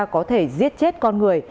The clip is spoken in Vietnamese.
có thể giết chết con người